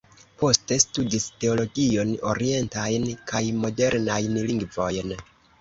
Poste studis teologion, orientajn kaj modernajn lingvojn.